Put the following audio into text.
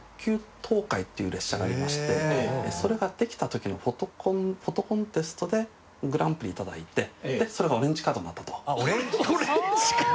東海っていう列車がありましてそれができた時のフォトコンテストでグランプリ頂いてでそれがオレンジカードになったと。